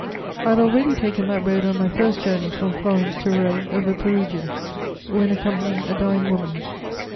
I had already taken that road on my first journey from Florence to Rome over Perugia, when accompanying a dying woman....